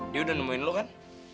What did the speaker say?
dia udah nemuin lu kan